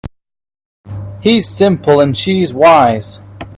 He's simple and she's wise.